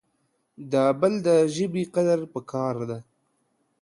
د بل دژبي قدر پکار د